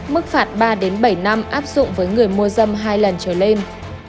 mức phạt ba bảy năm áp dụng với người mua dâm hai lần trở lên